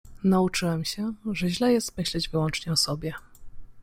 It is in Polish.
Nauczyłem się, że źle jest myśleć wyłącznie o sobie.